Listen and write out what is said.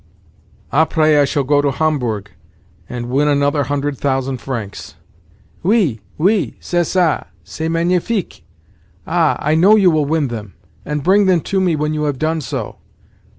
"Après I shall go to Homburg, and win another hundred thousand francs." "Oui, oui, c'est ça, c'est magnifique! Ah, I know you will win them, and bring them to me when you have done so.